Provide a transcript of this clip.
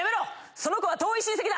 その子は遠い親戚だ！